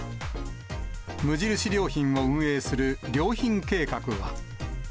無印良品を運営する良品計画は。